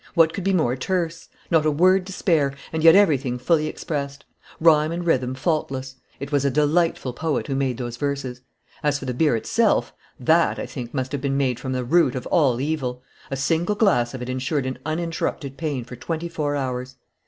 What could be more terse? Not a word to spare, and yet everything fully expressed. Rhyme and rhythm faultless. It was a delightful poet who made those verses. As for the beer itself that, I think, must have been made from the root of all evil! A single glass of it insured an uninterrupted pain for twenty four hours.